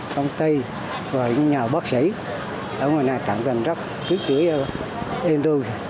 công ty và những nhà bác sĩ ở ngoài này cẳng tầm rất quyết truyền cho yên tư